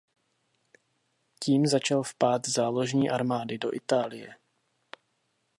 Tím začal vpád Záložní armády do Itálie.